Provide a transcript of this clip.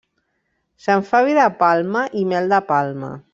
Se'n fa vi de palma i mel de palma.